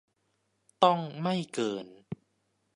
ต้องไม่เกิน